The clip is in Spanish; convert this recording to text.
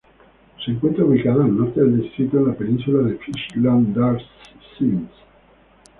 Se encuentra ubicado al norte del distrito, en la península de Fischland-Darß-Zingst.